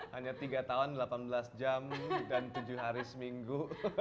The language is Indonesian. hanya tiga tahun delapan belas jam dan tujuh hari seminggu